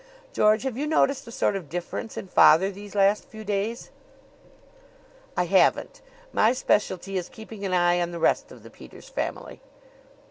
George, have you noticed a sort of difference in father these last few days?" "I haven't. My specialty is keeping an eye on the rest of the Peters family."